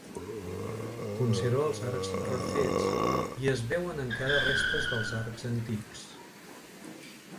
Conserva els arcs refets i es veuen encara restes dels arcs antics.